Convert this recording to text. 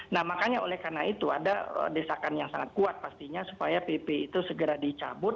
nah makanya oleh karena itu ada desakan yang sangat kuat pastinya supaya pp itu segera dicabut